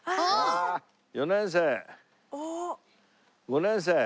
５年生。